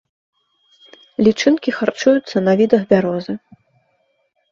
Лічынкі харчуюцца на відах бярозы.